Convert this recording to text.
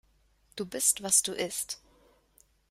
Du bist, was du isst.